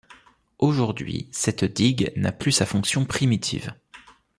Aujourd'hui, cette digue n'a plus sa fonction primitive.